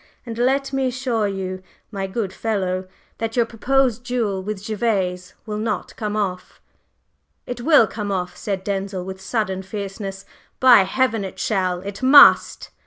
And let me assure you, my good fellow, that your proposed duel with Gervase will not come off!" "It will come off!" said Denzil, with sudden fierceness. "By Heaven, it shall! it must!"